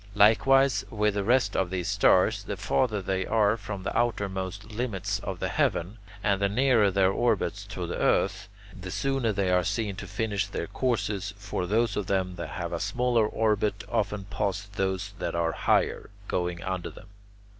Likewise with the rest of these stars: the farther they are from the outermost limits of the heaven, and the nearer their orbits to the earth, the sooner they are seen to finish their courses; for those of them that have a smaller orbit often pass those that are higher, going under them.